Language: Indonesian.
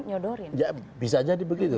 nyodorin bisa jadi begitu